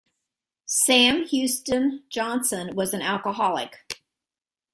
Sam Houston Johnson was an alcoholic.